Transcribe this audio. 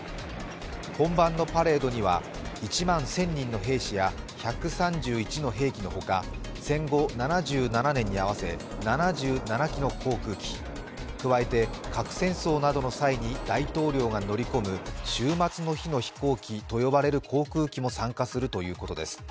本番のパレードには１万１０００人の兵士や１３１の兵器のほか、戦後７７年に合わせ７７機の航空機、加えて核戦争などの際に大統領が乗り込む、終末の日の飛行機と呼ばれる航空機も参加するということです。